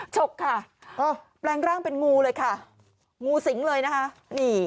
ฉกค่ะแปลงร่างเป็นงูเลยค่ะงูสิงเลยนะคะนี่